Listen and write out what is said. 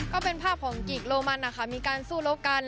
ก็เป็นภาพของกิกโลมันนะคะมีการสู้รบกัน